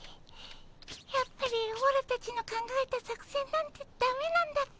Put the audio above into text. やっぱりオラたちの考えた作戦なんてだめなんだっ